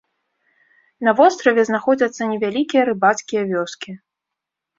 На востраве знаходзяцца невялікія рыбацкія вёскі.